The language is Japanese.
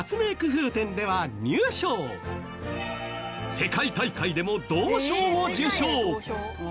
世界大会でも銅賞を受賞。